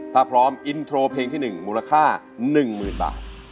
ถ้าพร้อมอินโทรเพลงที่๑มูลค่า๑๐๐๐บาท